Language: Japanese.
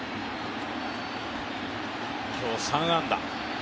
今日３安打。